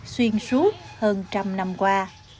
xuyên suốt hơn trăm năm qua